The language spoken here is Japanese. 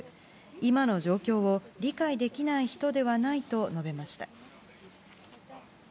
今の状況を理解できない人ではないと述べました。